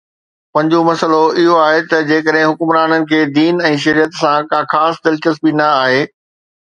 پنجون مسئلو اهو آهي ته جيڪڏهن حڪمرانن کي دين ۽ شريعت سان ڪا خاص دلچسپي نه آهي